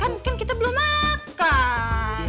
kan kita belum makan